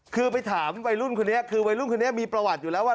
คือไปถามวัยรุ่นคนนี้คือวัยรุ่นคนนี้มีประวัติอยู่แล้วว่า